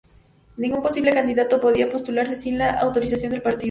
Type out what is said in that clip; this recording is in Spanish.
Ningún posible candidato podía postularse sin la autorización del partido.